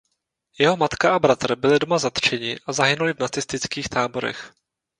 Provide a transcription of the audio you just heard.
Jeho matka a bratr byli doma zatčeni a zahynuli v nacistických táborech.